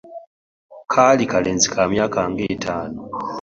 Kaali kalenzi ka myaka nga etaano.